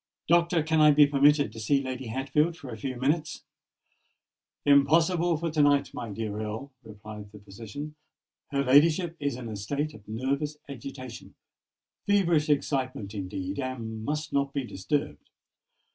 Doctor, can I be permitted to see Lady Hatfield for a few minutes?" "Impossible for to night, my dear Earl," replied the physician. "Her ladyship is in a state of nervous agitation—feverish excitement, indeed,—and must not be disturbed.